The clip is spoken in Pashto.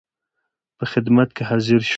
په خدمت کې حاضر شو.